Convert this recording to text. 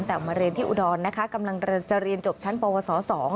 แต่มาเรียนที่อุดรนะคะกำลังจะเรียนจบชั้นปวส๒